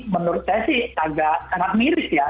menurut saya sih agak sangat miris ya